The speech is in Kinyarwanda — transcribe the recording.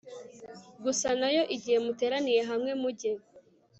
gusa na Yo Igihe muteraniye hamwe mujye